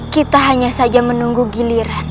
kita hanya saja menunggu giliran